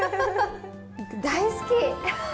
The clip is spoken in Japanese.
大好き！